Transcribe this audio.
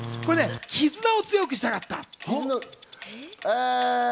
絆を強くしたかったの。